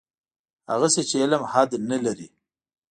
هغسې چې علم حد نه لري.